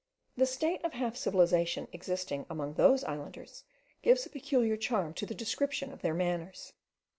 The state of half civilization existing among those islanders gives a peculiar charm to the description of their manners.